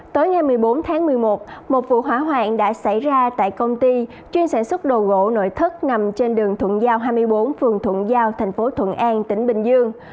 tối ngày một mươi bốn tháng một mươi một một vụ hỏa hoạn đã xảy ra tại công ty chuyên sản xuất đồ gỗ nội thất nằm trên đường thuận giao hai mươi bốn phường thuận giao thành phố thuận an tỉnh bình dương